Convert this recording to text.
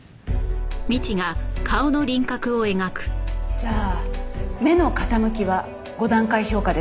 じゃあ目の傾きは５段階評価でどうでした？